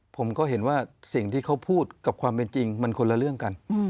ผมก็เห็นว่าสิ่งที่เขาพูดกับความเป็นจริงมันคนละเรื่องกัน